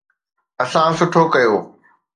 اسان سٺو ڪيو.